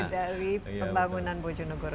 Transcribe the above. dari pembangunan bojonegoro